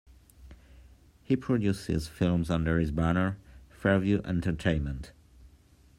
He produces films under his banner, Fairview Entertainment.